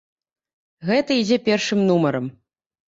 Гэта ідзе першым нумарам.